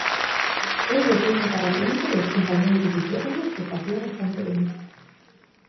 Eu boteime para adiante e os compañeiros dixéronme que o facía bastante ben.